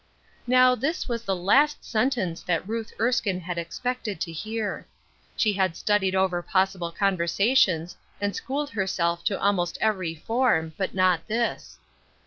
Now, this was the last sentence that Ruth Erskine had expected to hear. She had studied over possible conversations, and schooled herself to almost every form, but not this.